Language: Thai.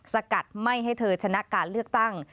สกัดไม่ให้เธอชนะการเลือกตั้ง